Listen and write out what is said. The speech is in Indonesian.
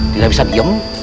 tidak bisa diem